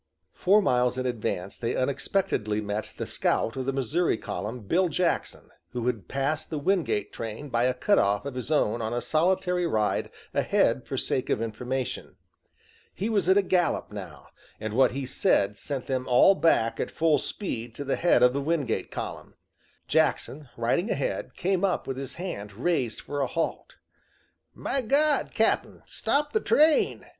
Four miles in advance they unexpectedly met the scout of the Missouri column, Bill Jackson, who had passed the Wingate train by a cut off of his own on a solitary ride ahead for sake of information. He was at a gallop now, and what he said sent them all back at full speed to the head of the Wingate column. Jackson riding ahead, came up with his hand raised for a halt. "My God, Cap'n, stop the train!"